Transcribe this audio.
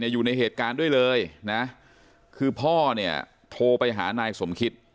อยู่ในเหตุการณ์ด้วยเลยนะคือพ่อเนี่ยโทรไปหานายสมคิต